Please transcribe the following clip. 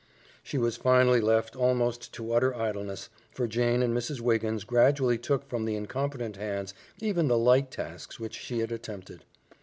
She was finally left almost to utter idleness, for Jane and Mrs. Wiggins gradually took from the incompetent hands even the light tasks which she had attempted.